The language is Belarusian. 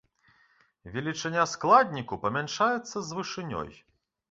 Велічыня складніку памяншаецца з вышынёй.